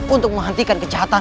untuk menghentikan kejahatan